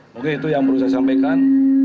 mungkin itu yang perlu saya sampaikan